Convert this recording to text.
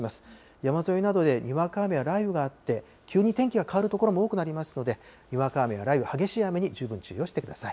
山沿いなどでにわか雨や雷雨があって、急に天気が変わる所も多くなりますので、にわか雨や、雷雨、激しい雨に十分注意をしてください。